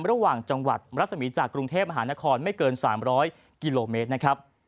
ระหว่างจังหวัดรัศมีจากกรุงเทพมหานครไม่เกิน๓๐๐กิโลเมตรนะครับ